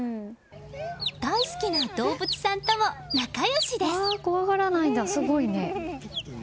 大好きな動物さんとも仲良しです。